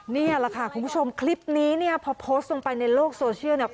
นี่แหละค่ะคุณผู้ชมคลิปนี้เนี่ยพอโพสต์ลงไปในโลกโซเชียลเนี่ย